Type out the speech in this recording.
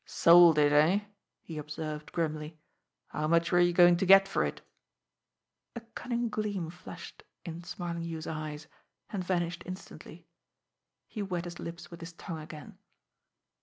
"Sold it, eh?" he observed grimly. "How much were you going to get for it?" A cunning gleam flashed in Smarlinghue's eyes and vanished instantly. He wet his lips with his tongue again.